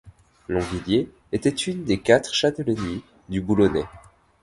Longvilliers était une des quatre châtellenies du Boulonnais.